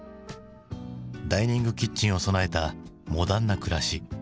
ダイニングキッチンを備えたモダンな暮らし。